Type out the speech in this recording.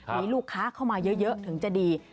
มีลูกค้าเข้ามาเยอะถึงจะดี